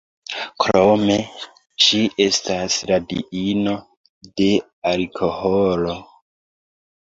Krome, ŝi estas la diino de alkoholo.